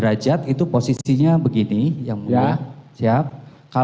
jadi kalau untuk posisinya di bawah itu ada